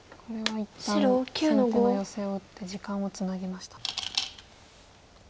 これは一旦先手のヨセを打って時間をつなぎました。